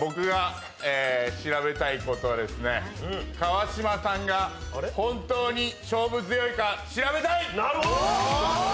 僕が調べたいことは川島さんが本当に勝負強いか調べたい！